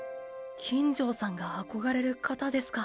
金城さんが憧れる方ですか！